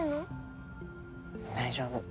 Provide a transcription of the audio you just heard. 大丈夫。